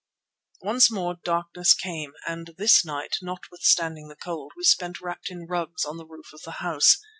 Once more darkness came, and this night, notwithstanding the cold, we spent wrapped in rugs, on the roof of the house.